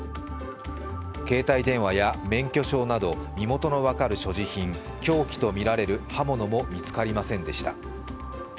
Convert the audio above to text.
携帯電話や免許証など身元の分かる所持品、凶器とみられる刃物も見つかりませんでした。